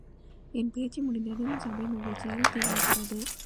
என் பேச்சு முடிந்ததும் சபை மகிழ்ச்சியில் திளைத்தது.